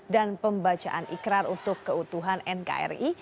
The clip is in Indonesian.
dan pembacaan ikrar untuk keutuhan nkri